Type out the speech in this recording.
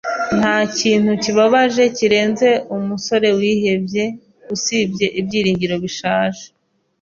Nta kintu kibabaje kirenze umusore wihebye, usibye ibyiringiro bishaje.